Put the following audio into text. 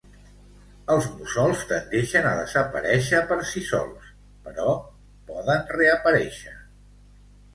Els mussols tendeixen a desaparèixer per si sols, però poden reaparèixer.